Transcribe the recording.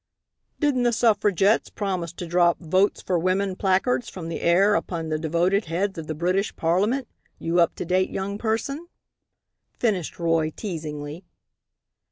"Didn't the suffragettes promise to drop 'Votes for Women' placards from the air upon the devoted heads of the British Parliament, you up to date young person?" finished Roy, teasingly.